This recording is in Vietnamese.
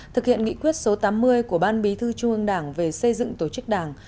thực hiện nghị quyết số tám mươi của ban bí thư trung ương đảng về xây dựng tổ chức đảng